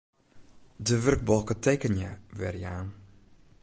De wurkbalke Tekenje werjaan.